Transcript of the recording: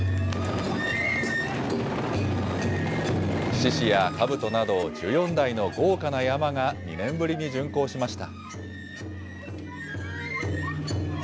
獅子やかぶとなど、１４台の豪華な曳山が、２年ぶりに巡行しました。